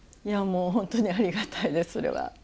いやもう本当にありがたいですそれは。